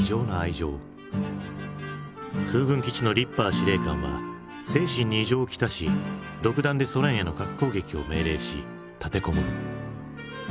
空軍基地のリッパー司令官は精神に異常をきたし独断でソ連への核攻撃を命令し立て籠もる。